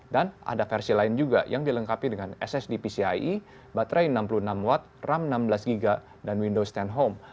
dan ada versi lain juga yang dilengkapi dengan ssd pcie baterai enam puluh enam w ram enam belas gb dan windows sepuluh home